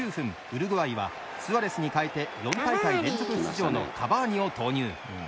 ウルグアイはスアレスに代えて４大会連続出場のカバーニを投入。